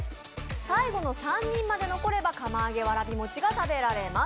最後の３人まで残れば釜あげわらび餅が食べられます。